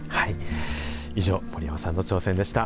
以上、森山さんの挑戦でした。